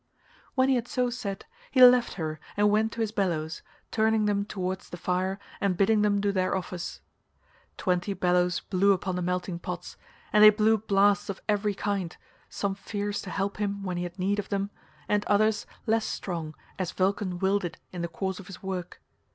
When he had so said he left her and went to his bellows, turning them towards the fire and bidding them do their office. Twenty bellows blew upon the melting pots, and they blew blasts of every kind, some fierce to help him when he had need of them, and others less strong as Vulcan willed it in the course of his work.